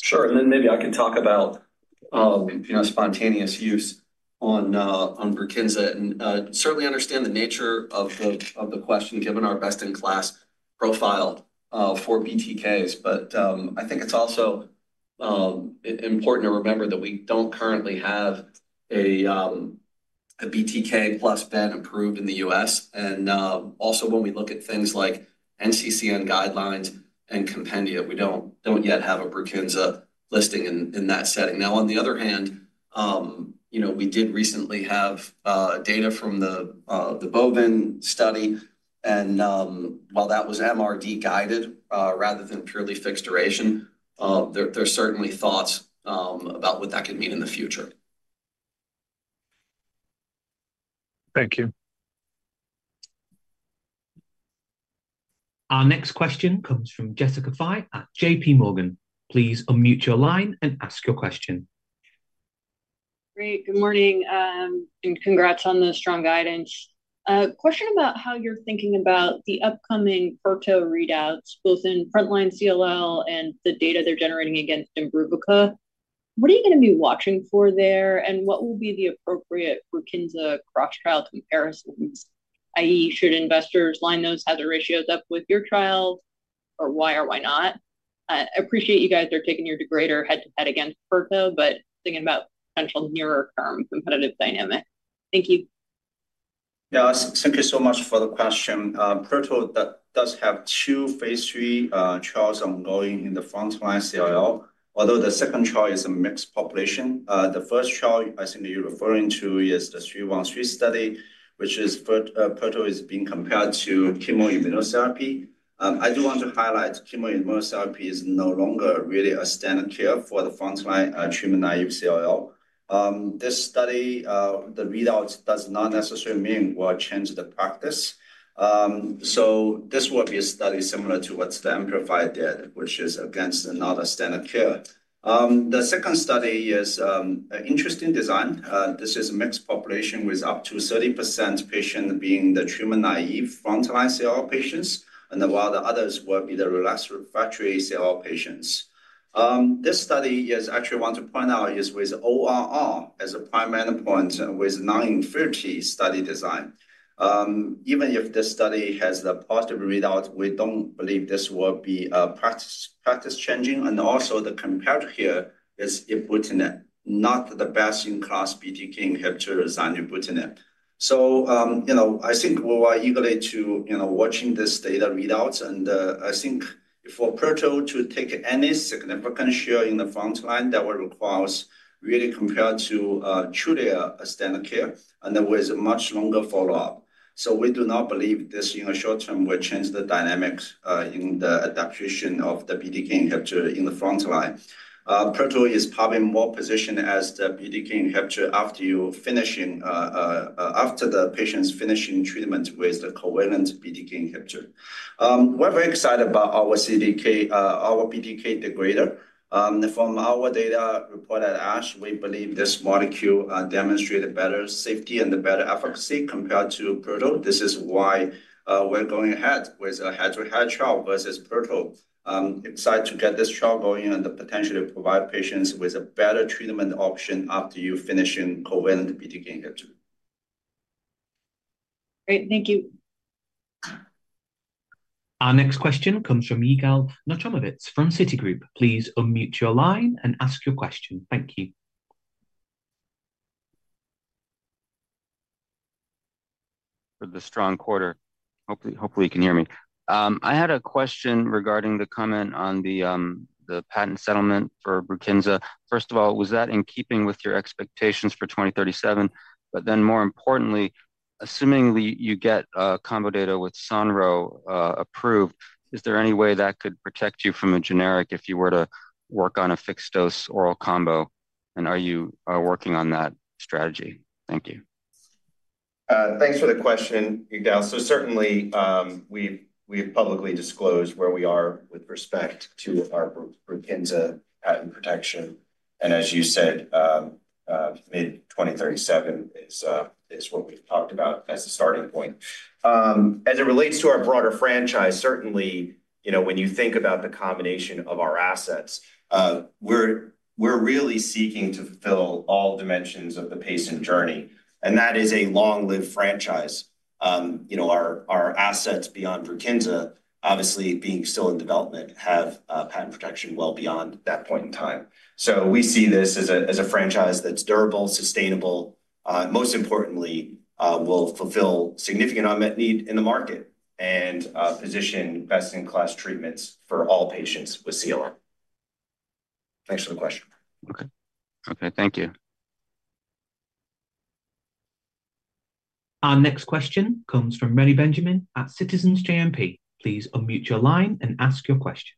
Sure. And then maybe I could talk about spontaneous use on Brukinza. I certainly understand the nature of the question, given our best-in-class profile for BTKs. But I think it's also important to remember that we don't currently have a BTK plus ven approved in the U.S. And also, when we look at things like NCCN guidelines and compendia, we don't yet have a Brukinza listing in that setting. Now, on the other hand, we did recently have data from the ALPINE study. And while that was MRD-guided rather than purely fixed duration, there are certainly thoughts about what that could mean in the future. Thank you. Our next question comes from Jessica Fye at J.P. Morgan. Please unmute your line and ask your question. Great. Good morning. And congrats on the strong guidance. Question about how you're thinking about the upcoming Proto readouts, both in frontline CLL and the data they're generating against Imbruvica. What are you going to be watching for there, and what will be the appropriate BRUKINZA cross-trial comparisons? I.e., should investors line those hazard ratios up with your trials, or why or why not? I appreciate you guys are taking your degrader head-to-head against pirtobrutinib, but thinking about potential nearer-term competitive dynamics. Thank you. Yeah, thank you so much for the question. Pirtobrutinib does have two phase 3 trials ongoing in the frontline CLL, although the second trial is a mixed population. The first trial, I think you're referring to, is the 3-1-3 study, which is pirtobrutinib is being compared to chemoimmunotherapy. I do want to highlight chemoimmunotherapy is no longer really a standard care for the frontline treatment naive CLL. This study, the readout does not necessarily mean we'll change the practice. This will be a study similar to what the AMPLIFY did, which is against another standard of care. The second study is an interesting design. This is a mixed population with up to 30% patients being the treatment-naive frontline CLL patients, and while the others will be the relapsed refractory CLL patients. This study, I actually want to point out, is with ORR as a primary endpoint with non-inferiority study design. Even if this study has the positive readout, we don't believe this will be practice-changing, and also, the comparator here is ibrutinib, not the best-in-class BTK inhibitor, zanubrutinib. I think we're eagerly watching this data readouts. I think for Proto to take any significant share in the frontline, that will require us really compare to truly a standard care and with a much longer follow-up. So we do not believe this in the short term will change the dynamics in the adaptation of the BTK inhibitor in the frontline. Proto is probably more positioned as the BTK inhibitor after the patient's finishing treatment with the covalent BTK inhibitor. We're very excited about our BTK degrader. From our data report at ASH, we believe this molecule demonstrated better safety and better efficacy compared to Proto. This is why we're going ahead with a head-to-head trial versus Proto. Excited to get this trial going and to potentially provide patients with a better treatment option after you're finishing covalent BTK inhibitor. Great. Thank you. Our next question comes from Yigal Nochomovitz from Citigroup. Please unmute your line and ask your question. Thank you. For the strong quarter. Hopefully, you can hear me. I had a question regarding the comment on the patent settlement for Brukinza. First of all, was that in keeping with your expectations for 2037? But then more importantly, assuming you get combo data with Sonro approved, is there any way that could protect you from a generic if you were to work on a fixed-dose oral combo? And are you working on that strategy? Thank you. Thanks for the question, Yigal. So certainly, we've publicly disclosed where we are with respect to our Brukinza patent protection. And as you said, mid-2037 is what we've talked about as a starting point. As it relates to our broader franchise, certainly, when you think about the combination of our assets, we're really seeking to fulfill all dimensions of the patient journey. And that is a long-lived franchise. Our assets beyond Brukinza, obviously being still in development, have patent protection well beyond that point in time. So we see this as a franchise that's durable, sustainable, most importantly, will fulfill significant unmet need in the market and position best-in-class treatments for all patients with CLL. Thanks for the question. Okay. Okay. Thank you. Our next question comes from Reni Benjamin at Citizens JMP. Please unmute your line and ask your question.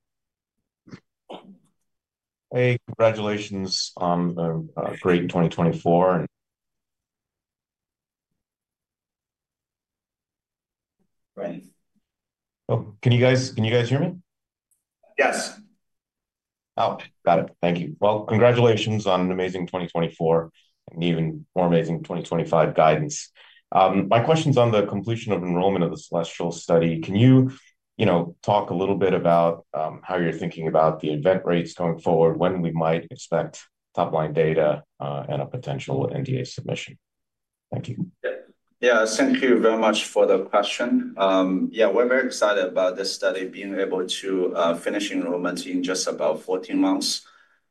Hey, congratulations on a great 2024. Great. Can you guys hear me? Yes. Oh, got it. Thank you. Well, congratulations on an amazing 2024 and even more amazing 2025 guidance. My question's on the completion of enrollment of the CELESTIAL study. Can you talk a little bit about how you're thinking about the event rates going forward, when we might expect top-line data and a potential NDA submission? Thank you. Yeah, thank you very much for the question. Yeah, we're very excited about this study being able to finish enrollment in just about 14 months.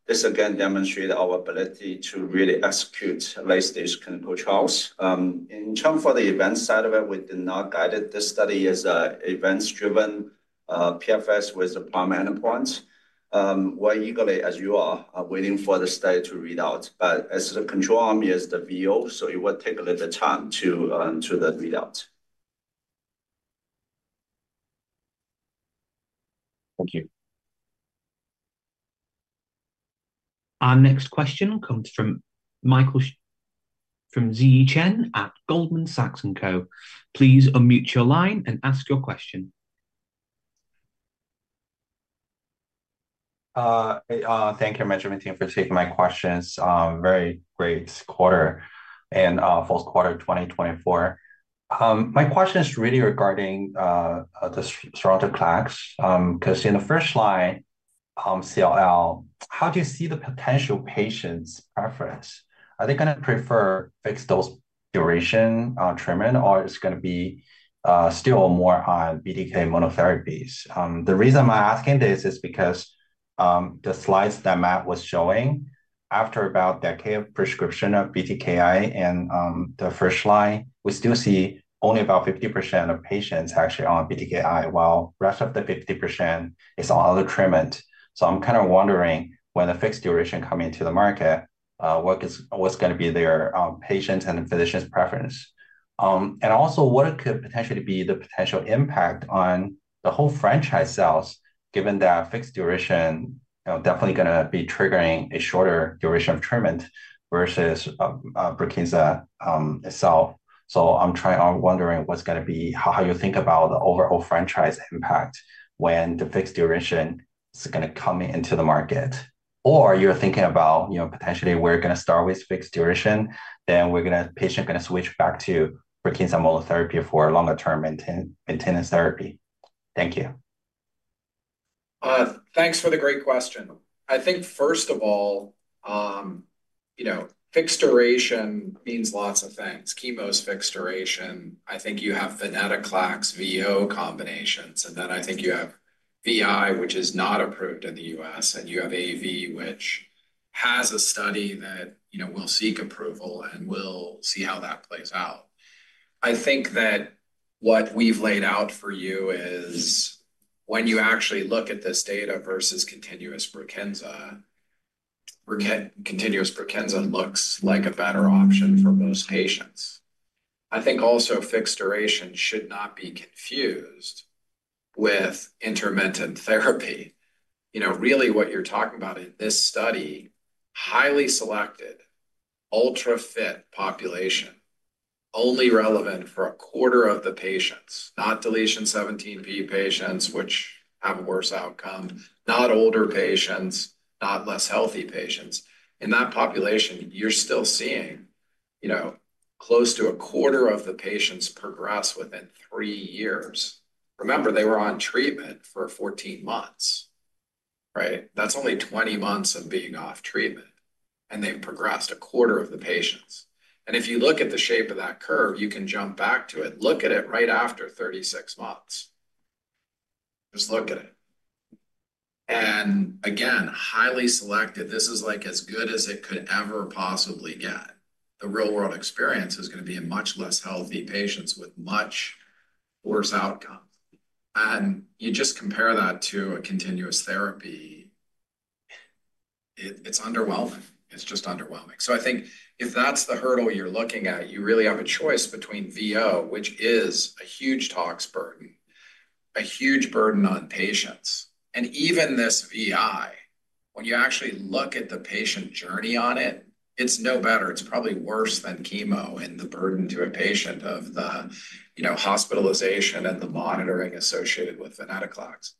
This, again, demonstrates our ability to really execute late-stage clinical trials. In terms of the events side of it, we did not guide it. This study is an events-driven PFS with the primary endpoint. We're eagerly, as you are, waiting for the study to read out. But, as the control arm is the VO, so it will take a little time to read out. Thank you. Our next question comes from Michael Qian at Goldman Sachs & Co. Please unmute your line and ask your question. Thank you, Mr. Oyler, for taking my questions. Very great quarter and fourth quarter of 2024. My question is really regarding the Sonrotoclax because in the first line, CLL, how do you see the potential patients' preference? Are they going to prefer fixed-dose duration treatment, or it's going to be still more on BTK immunotherapies? The reason I'm asking this is because the slides that Matt was showing, after about a decade of prescription of BTKI in the first line, we still see only about 50% of patients actually on BTKI, while the rest of the 50% is on other treatment. So I'm kind of wondering, when the fixed duration comes into the market, what's going to be their patients' and physicians' preference? And also, what could potentially be the potential impact on the whole franchise sales, given that fixed duration is definitely going to be triggering a shorter duration of treatment versus Brukinza itself? So I'm wondering how you think about the overall franchise impact when the fixed duration is going to come into the market. Or you're thinking about potentially we're going to start with fixed duration, then the patient is going to switch back to Brukinza immunotherapy for longer-term maintenance therapy. Thank you. Thanks for the great question. I think, first of all, fixed duration means lots of things. Chemo's fixed duration. I think you have venetoclax VO combinations, and then I think you have VI, which is not approved in the U.S. You have AV, which has a study that will seek approval, and we'll see how that plays out. I think that what we've laid out for you is when you actually look at this data versus continuous Brukinza, continuous Brukinza looks like a better option for most patients. I think also fixed duration should not be confused with intermittent therapy. Really, what you're talking about in this study, highly selected, ultra-fit population, only relevant for a quarter of the patients, not deletion 17p patients, which have a worse outcome, not older patients, not less healthy patients. In that population, you're still seeing close to a quarter of the patients progress within three years. Remember, they were on treatment for 14 months, right? That's only 20 months of being off treatment. And they've progressed a quarter of the patients. And if you look at the shape of that curve, you can jump back to it. Look at it right after 36 months. Just look at it. And again, highly selected. This is as good as it could ever possibly get. The real-world experience is going to be in much less healthy patients with much worse outcome. And if you just compare that to a continuous therapy, it's underwhelming. It's just underwhelming. So I think if that's the hurdle you're looking at, you really have a choice between VO, which is a huge tax burden, a huge burden on patients. Even this VI, when you actually look at the patient journey on it, it's no better. It's probably worse than chemo and the burden to a patient of the hospitalization and the monitoring associated with venetoclax.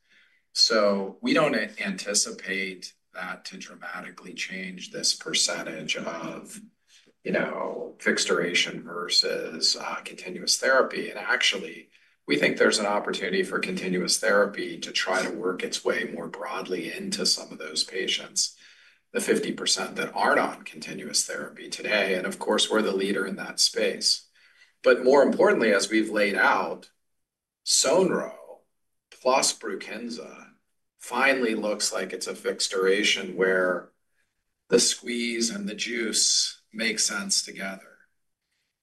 We don't anticipate that to dramatically change this percentage of fixed duration versus continuous therapy. Actually, we think there's an opportunity for continuous therapy to try to work its way more broadly into some of those patients, the 50% that aren't on continuous therapy today. Of course, we're the leader in that space. More importantly, as we've laid out, Sonro plus Brukinza finally looks like it's a fixed duration where the squeeze and the juice make sense together.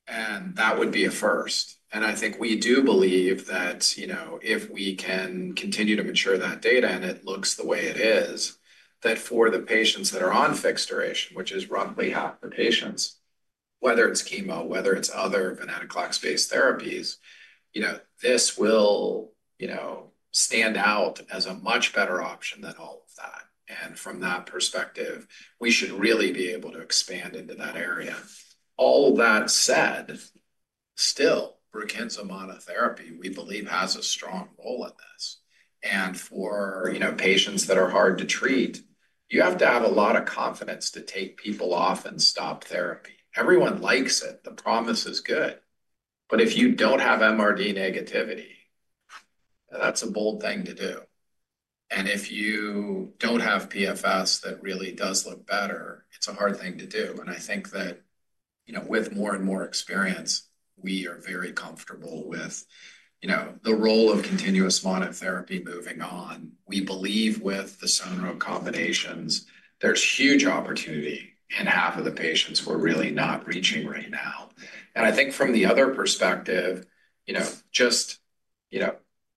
That would be a first. I think we do believe that if we can continue to mature that data, and it looks the way it is, that for the patients that are on fixed duration, which is roughly half the patients, whether it's chemo, whether it's other venetoclax-based therapies, this will stand out as a much better option than all of that. From that perspective, we should really be able to expand into that area. All that said, still, Brukinza monotherapy, we believe, has a strong role in this. For patients that are hard to treat, you have to have a lot of confidence to take people off and stop therapy. Everyone likes it. The promise is good. If you don't have MRD negativity, that's a bold thing to do. If you don't have PFS that really does look better, it's a hard thing to do. I think that with more and more experience, we are very comfortable with the role of continuous monotherapy moving on. We believe with the Sonro combinations, there's huge opportunity in half of the patients we're really not reaching right now. I think from the other perspective, just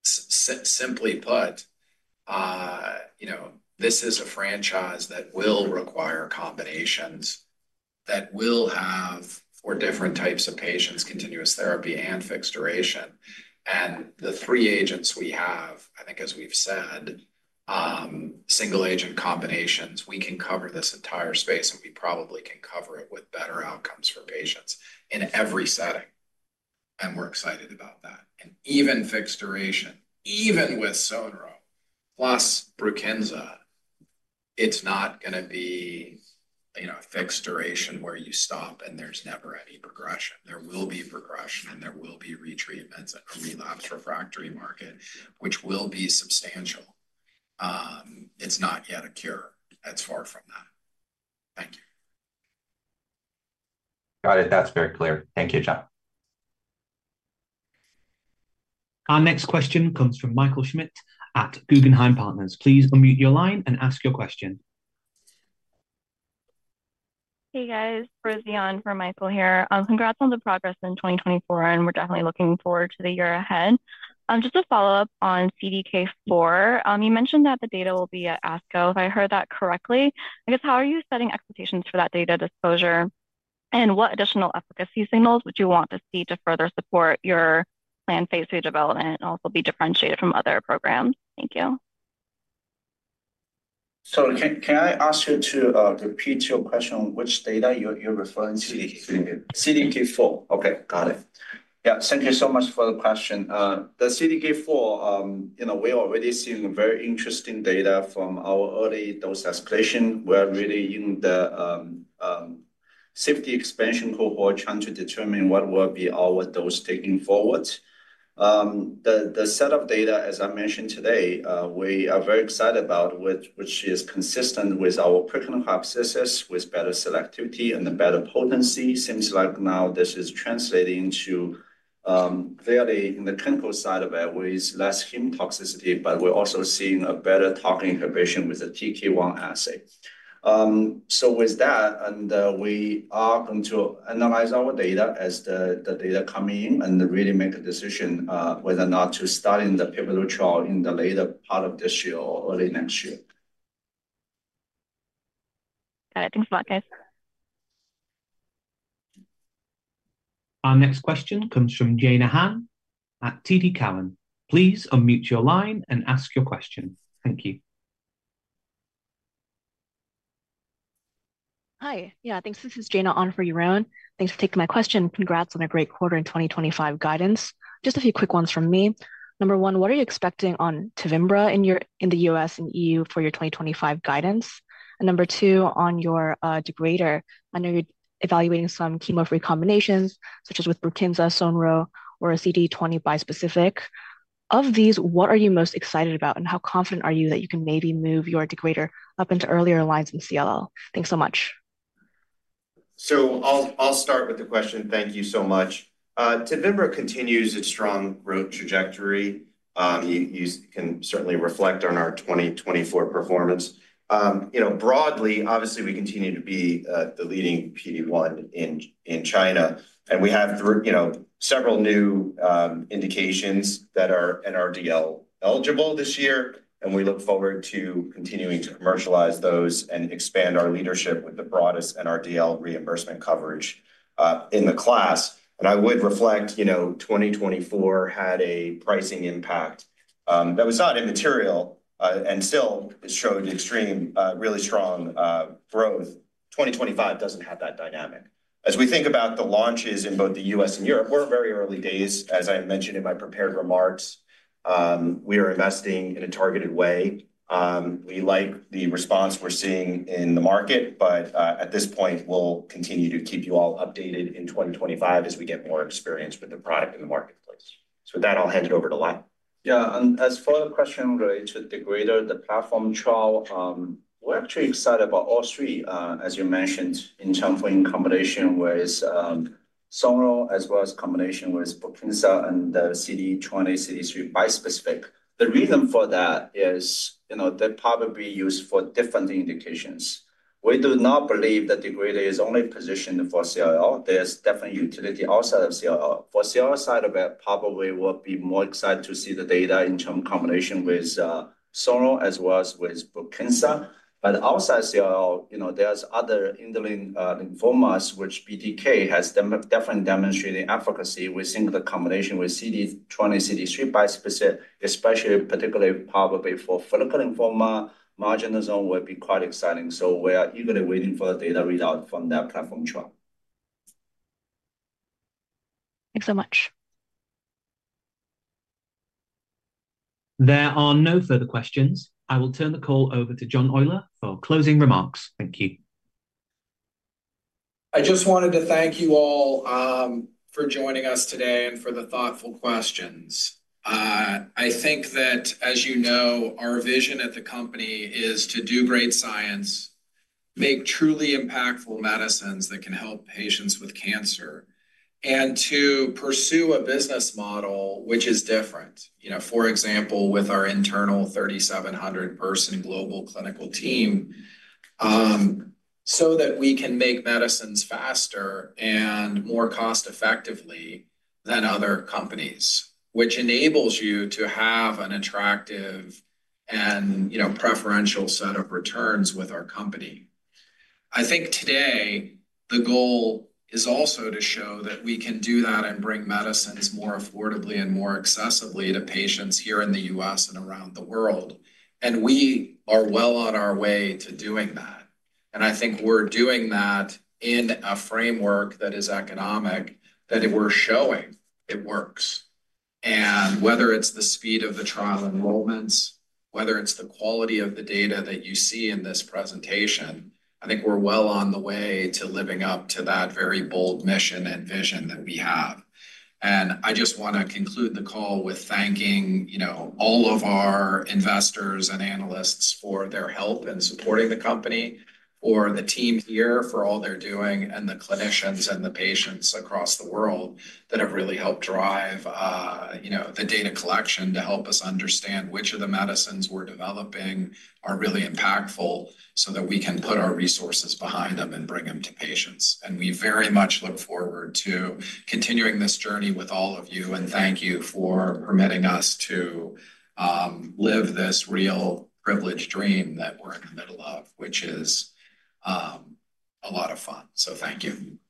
simply put, this is a franchise that will require combinations that will have for different types of patients continuous therapy and fixed duration. The three agents we have, I think, as we've said, single-agent combinations, we can cover this entire space, and we probably can cover it with better outcomes for patients in every setting. We're excited about that. Even fixed duration, even with Sonro plus Brukinza, it's not going to be a fixed duration where you stop and there's never any progression. There will be progression, and there will be retreatments and relapse refractory market, which will be substantial. It's not yet a cure. That's far from that. Thank you. Got it. That's very clear. Thank you, John. Our next question comes from Michael Schmidt at Guggenheim Partners. Please unmute your line and ask your question. Hey, guys. This is Michael here. Congrats on the progress in 2024, and we're definitely looking forward to the year ahead. Just to follow up on CDK4, you mentioned that the data will be at ASCO. If I heard that correctly, I guess, how are you setting expectations for that data disclosure? And what additional efficacy signals would you want to see to further support your planned phase 3 development and also be differentiated from other programs? Thank you. So can I ask you to repeat your question on which data you're referring to? CDK4. CDK4. Okay. Got it. Yeah. Thank you so much for the question. The CDK4, we're already seeing very interesting data from our early dose escalation. We're really in the safety expansion cohort trying to determine what will be our dose taking forward. The set of data, as I mentioned today, we are very excited about, which is consistent with our preclinical hypothesis with better selectivity and the better potency. Seems like now this is translating to clearly in the clinical side of it, where it's less chemotoxicity, but we're also seeing a better target inhibition with the TK1 assay. So with that, and we are going to analyze our data as the data come in and really make a decision whether or not to start in the pivotal trial in the later part of this year or early next year. Got it. Thanks a lot, guys. Our next question comes from Jayna Ahn at TD Cowen. Please unmute your line and ask your question. Thank you. Hi. Yeah, thanks. This is Jayna Ahn for Yaron. Thanks for taking my question. Congrats on a great quarter and 2025 guidance. Just a few quick ones from me. Number one, what are you expecting on Tevimbra in the U.S. and EU for your 2025 guidance? And number two, on your degrader, I know you're evaluating some chemo-free combinations, such as with BRUKINZA, Sonro, or a CD20 bispecific. Of these, what are you most excited about, and how confident are you that you can maybe move your degrader up into earlier lines in CLL? Thanks so much. So I'll start with the question. Thank you so much. Tevimbra continues its strong growth trajectory. You can certainly reflect on our 2024 performance. Broadly, obviously, we continue to be the leading PD-1 in China. And we have several new indications that are NRDL eligible this year. And we look forward to continuing to commercialize those and expand our leadership with the broadest NRDL reimbursement coverage in the class. And I would reflect 2024 had a pricing impact that was not immaterial. And still, it showed extreme, really strong growth. 2025 doesn't have that dynamic. As we think about the launches in both the U.S. and Europe, we're in very early days. As I mentioned in my prepared remarks, we are investing in a targeted way. We like the response we're seeing in the market, but at this point, we'll continue to keep you all updated in 2025 as we get more experience with the product in the marketplace. So with that, I'll hand it over to Li. Yeah. And as for the question related to degrader, the platform trial, we're actually excited about all three, as you mentioned, in terms of in combination with Sonro, as well as combination with Brukinza and the CD20, CD3 bispecific. The reason for that is they're probably used for different indications. We do not believe that degrader is only positioned for CLL. There's definitely utility outside of CLL. For CLL side of it, probably we'll be more excited to see the data in terms of combination with Sonro as well as with Brukinza. But outside CLL, there's other indolent lymphomas, which BTK has definitely demonstrated efficacy with single combination with CD20, CD3 bispecific, especially particularly probably for follicular lymphoma. Marginal zone will be quite exciting. So we are eagerly waiting for the data readout from that platform trial. Thanks so much. There are no further questions. I will turn the call over to John Oyler for closing remarks. Thank you. I just wanted to thank you all for joining us today and for the thoughtful questions. I think that, as you know, our vision at the company is to do great science, make truly impactful medicines that can help patients with cancer, and to pursue a business model which is different. For example, with our internal 3,700-person global clinical team, so that we can make medicines faster and more cost-effectively than other companies, which enables you to have an attractive and preferential set of returns with our company. I think today, the goal is also to show that we can do that and bring medicines more affordably and more accessibly to patients here in the U.S. and around the world, and we are well on our way to doing that. And I think we're doing that in a framework that is economic, that we're showing it works. And whether it's the speed of the trial enrollments, whether it's the quality of the data that you see in this presentation, I think we're well on the way to living up to that very bold mission and vision that we have. And I just want to conclude the call with thanking all of our investors and analysts for their help in supporting the company, for the team here, for all they're doing, and the clinicians and the patients across the world that have really helped drive the data collection to help us understand which of the medicines we're developing are really impactful so that we can put our resources behind them and bring them to patients. And we very much look forward to continuing this journey with all of you. Thank you for permitting us to live this real privileged dream that we're in the middle of, which is a lot of fun, so thank you.